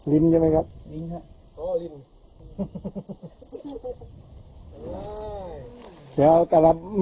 ลิ้นใช่ไหมครับ